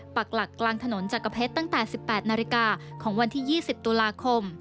ปากหลักกลางถนนจักรเพชรตั้งแต่๑๘นาฬิกาของวันที่๒๐ตุลาคม